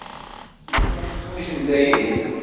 Iḍan ḥwajen tayri.